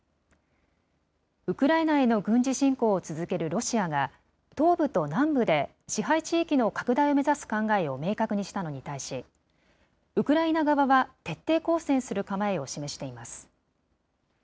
ウクライナへの軍事侵攻を続けるロシアが、東部と南部で支配地域の拡大を目指す考えを明確にしたのに対し、ウクライナ側は徹底抗戦する構えを示しています。